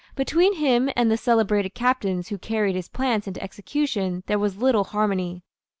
Between him and the celebrated captains who carried his plans into execution there was little harmony.